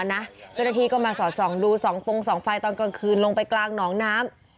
เจ้าหน้าที่ก็มาสอดส่องดู๒ฟงสองไฟตอนกลางคืนลงไปกลางหนองน้ำ